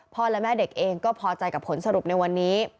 และแม่เด็กเองก็พอใจกับผลสรุปในวันนี้